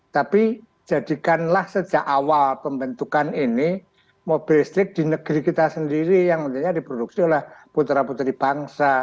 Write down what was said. tapi jadikanlah sejak awal pembentukan ini mobil listrik di negeri kita sendiri yang diproduksi oleh putra putri bangsa